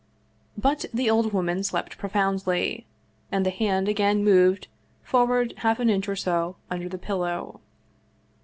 But the old woman slept profoundly, and the hand again moved forward half an inch or so under the pillow.